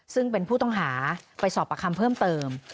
ซึ่งเป็นผู้ต้องหาไปสอบประคำเพิ่มเติม